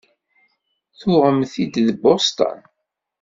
Tuɣemt-t-id deg Boston?